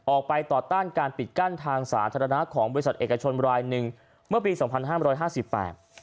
ไปต่อต้านการปิดกั้นทางสาธารณะของบริษัทเอกชนรายหนึ่งเมื่อปีสองพันห้ามร้อยห้าสิบแปด